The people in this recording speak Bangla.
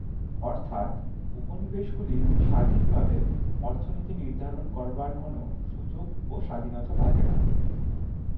অর্থাৎ, উপনিবেশগুলির স্বাধীনভাবে অর্থনীতি নির্ধারণ করবার কোন সুযোগ ও স্বাধীনতা থাকে না।